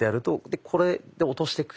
でこれで落としてくと。